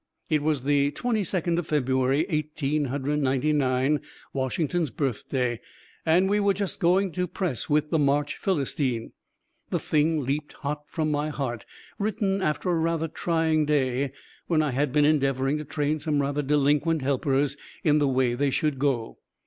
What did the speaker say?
It was the Twenty second of February, Eighteen Hundred Ninety Nine, Washington's Birthday, and we were just going to press with the March "Philistine." The thing leaped hot from my heart, written after a rather trying day, when I had been endeavoring to train some rather delinquent helpers in the way they should go.